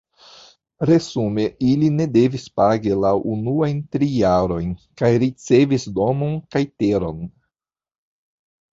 Resume ili ne devis pagi la unuajn tri jarojn kaj ricevis domon kaj teron.